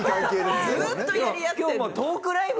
ずっとやり合ってるの。